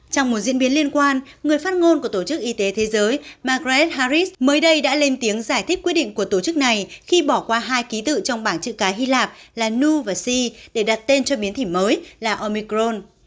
trong một diễn biến liên quan người phát ngôn của tổ chức y tế thế giới margrad harris mới đây đã lên tiếng giải thích quyết định của tổ chức này khi bỏ qua hai ký tự trong bảng chữ cái hy lạp là nu và sie để đặt tên cho biến thỉm mới là omicron